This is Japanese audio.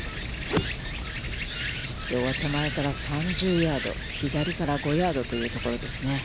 きょうは手前から３０ヤード、左から５ヤードというところですね。